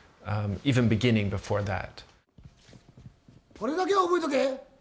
これだけは覚えとけ！